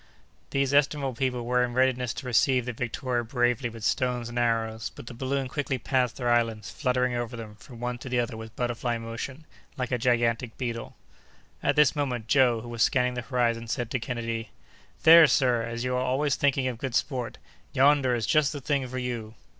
These estimable people were in readiness to receive the Victoria bravely with stones and arrows, but the balloon quickly passed their islands, fluttering over them, from one to the other with butterfly motion, like a gigantic beetle. At this moment, Joe, who was scanning the horizon, said to Kennedy: "There, sir, as you are always thinking of good sport, yonder is just the thing for you!"